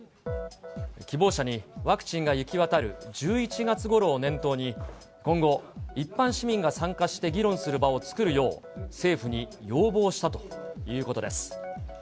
希望者にワクチンが行き渡る１１月ごろを念頭に今後、一般市民が参加して議論する場を作るよう、政府に要望したということです。